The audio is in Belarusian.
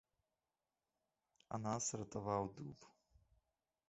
А нас ратаваў дуб.